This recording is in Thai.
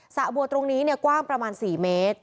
ระบัวตรงนี้กว้างประมาณ๔เมตร